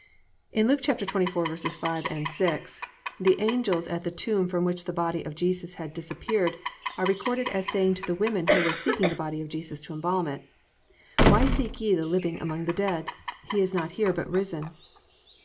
"_ In Luke 24:5, 6, the angels at the tomb from which the body of Jesus had disappeared are recorded as saying to the women who were seeking the body of Jesus to embalm it, +"Why seek ye the living among the dead? He is not here but is risen."